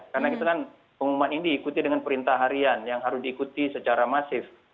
karena itu kan pengumuman ini diikuti dengan perintah harian yang harus diikuti secara masif